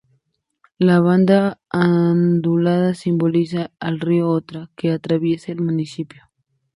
La banda ondulada simboliza al río Otra, que atraviesa el municipio.